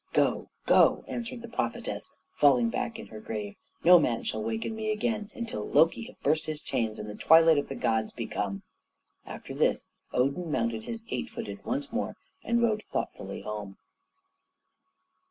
"Go, go!" answered the prophetess, falling back in her grave; "no man shall waken me again until Loki have burst his chains and the Twilight of the Gods be come." After this Odin mounted the eight footed once more and rode thoughtfully home.